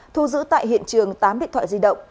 thu giữ tại hiện trường tám điện thoại di động